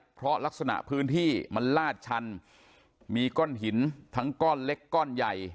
เพราะลักษณะพื้นที่มันลาดชันมีก้อนหินทั้งก้อนเล็กก้อนใหญ่